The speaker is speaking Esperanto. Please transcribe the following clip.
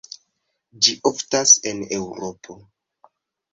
Ĝi oftas en Eŭropo.